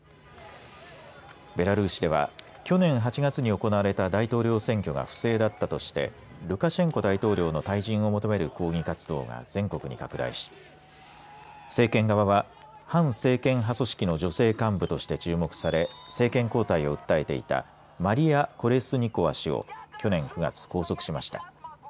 ベラルーシでは去年８月に行われた大統領選挙が不正だったとしてルカシェンコ大統領の退陣を求める抗議活動が全国に拡大し政権側は反政権派組織の女性幹部として注目され政権交代を訴えていたマリヤ・コレスニコワ氏を去年９月、拘束しました。